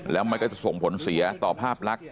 แล้วมันก็จะส่งผลเสียต่อภาพลักษณ